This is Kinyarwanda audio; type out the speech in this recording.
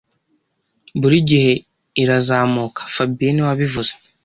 Buri gihe irazamuka fabien niwe wabivuze